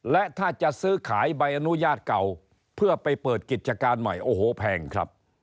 และถ้าจะซื้อขายใบอนุญาตเก่าเพื่อไปเปิดกิจการใหม่โอ้โหแพงครับ